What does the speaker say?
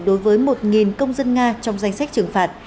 đối với một công dân nga trong danh sách trừng phạt